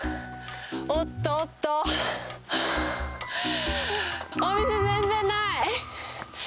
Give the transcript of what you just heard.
おっとおっと、お店全然ない。